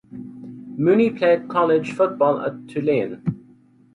Mooney played college football at Tulane.